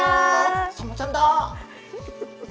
サンマちゃんだ。